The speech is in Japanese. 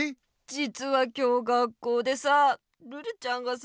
じつは今日学校でさルルちゃんがさ。